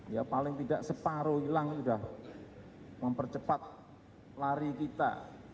ya paling tidak separuh hilang sudah mempercepat lari kita